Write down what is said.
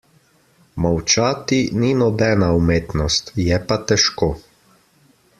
Molčati ni nobena umetnost, je pa težko.